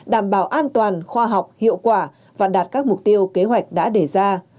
đảm bảo an toàn khoa học hiệu quả và đạt các mục tiêu kế hoạch đã đề ra